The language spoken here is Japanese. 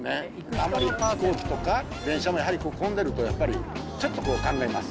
あんまり飛行機とか、電車もやはり混んでるとやっぱり、ちょっとこう考えます。